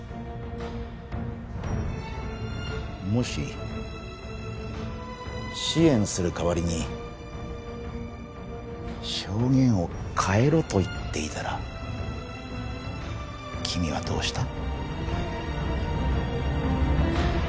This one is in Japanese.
もし支援する代わりに証言を変えろと言っていたら君はどうした？